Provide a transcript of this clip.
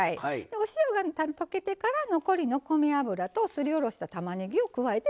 お塩が溶けてから残りの米油とすりおろしたたまねぎを加えて混ぜる。